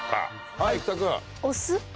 はい生田君。